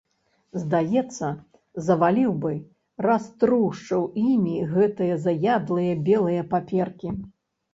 Здаецца, заваліў бы, раструшчыў імі гэтыя заядлыя белыя паперкі.